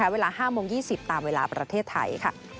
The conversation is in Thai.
เวลา๕โมง๒๐ตามเวลาประเทศไทย